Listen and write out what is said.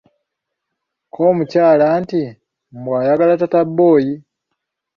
Kko omukyala nti, Mbu ayagala taata boy!